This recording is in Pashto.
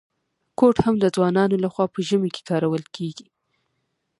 کوټ هم د ځوانانو لخوا په ژمي کي کارول کیږي.